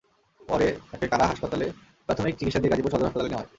পরে তাঁকে কারা হাসপাতালে প্রাথমিক চিকিৎসা দিয়ে গাজীপুর সদর হাসপাতালে নেওয়া হয়।